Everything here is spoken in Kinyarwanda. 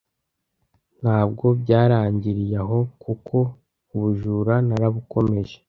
Ntabwo byarangiriye aho kuko ubujura narabukomeje,